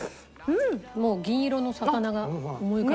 もう銀色の魚が思い浮かぶ。